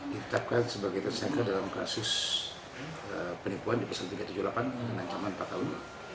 ditetapkan sebagai tersangka dalam kasus penipuan di pasal tiga ratus tujuh puluh delapan dengan ancaman empat tahun